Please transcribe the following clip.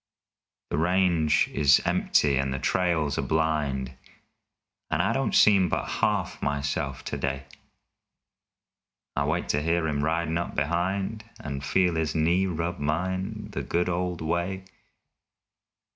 The range is empty and the trails are blind, And I don't seem but half myself today. I wait to hear him ridin' up behind And feel his knee rub mine the good old way.